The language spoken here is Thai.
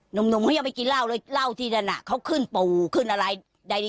หนุ่มเขายังไปกินเหล้าเลยเหล้าที่นั่นเขาขึ้นปู่ขึ้นอะไรใด